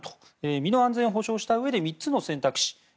身の安全を保障したうえで３つの選択肢